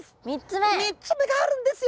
３つ目があるんですよ！